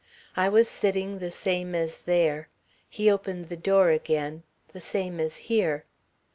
I was sitting the same as there. He opened the door again the same as here.